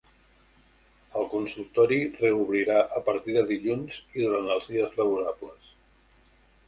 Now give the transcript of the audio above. El consultori reobrirà a partir de dilluns i durant els dies laborals.